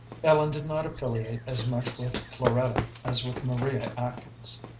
Ellen did not affiliate as much with Floretta as with Maria Atkins.